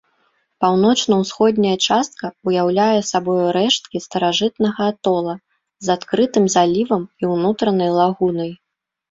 Паўночна-ўсходняя частка ўяўляе сабою рэшткі старажытнага атола з адкрытым залівам і ўнутранай лагунай.